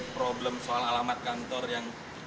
problem soal alamat kantor yang